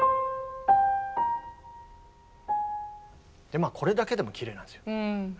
まあこれだけでもきれいなんですよ。